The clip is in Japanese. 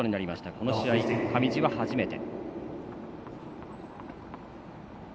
この試合、上地は初めて。